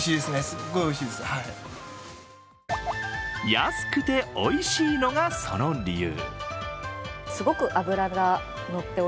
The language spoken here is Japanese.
安くておいしいのが、その理由。